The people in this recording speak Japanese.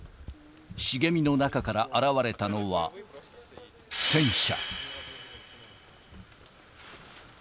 茂みの中から現れたのは、戦車。